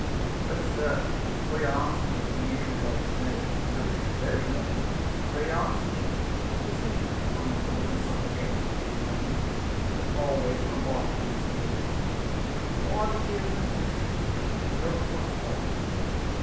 But, sir, — for your answer to the Thessalian about this matter shows you very ready, — pray answer me, do you think it commendable in some cases to give money, but always unlawful to receive it ? Or are the givers and receivers equally guilty of a fault?